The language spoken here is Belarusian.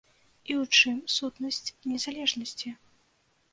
І ў чым сутнасць незалежнасці?